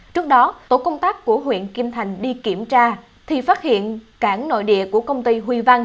trước đó tổ công tác của huyện kim thành đi kiểm tra thì phát hiện cảng nội địa của công ty huy văn